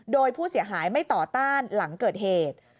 โดยผู้เสียหายไม่ต่อต้านหลังเกิดเหตุ